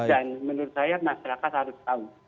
dan menurut saya masyarakat harus tahu